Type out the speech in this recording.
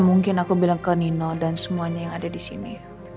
mungkin aku bilang ke nino dan semuanya yang ada di sini